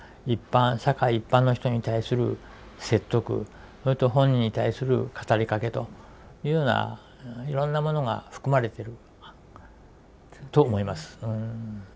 社会一般の人に対する説得それと本人に対する語りかけというようないろんなものが含まれてると思います。